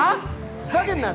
ふざけんなッ